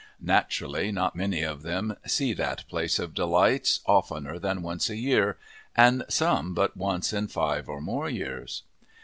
Naturally, not many of them see that place of delights oftener than once a year, and some but once in five or more years.